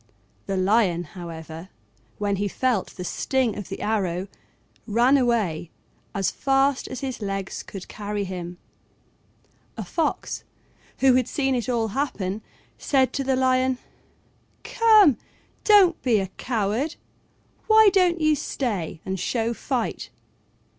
The Lion, however, when he felt the sting of the arrow, ran away as fast as his legs could carry him. A fox, who had seen it all happen, said to the Lion, "Come, don't be a coward: why don't you stay and show fight?"